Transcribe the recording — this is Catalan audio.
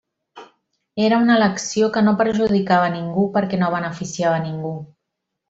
Era una elecció que no perjudicava ningú perquè no beneficiava ningú.